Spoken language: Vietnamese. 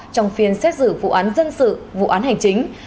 trong phiên xét xử vụ án dân sự vụ án hành chính